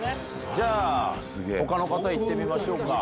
じゃあ他の方行ってみましょうか。